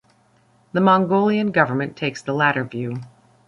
The Mongolian government takes the latter view.